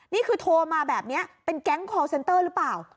นี่คือโทรมาแบบนี้เป็นแก๊งคอร์เซ็นเตอร์หรือเปล่า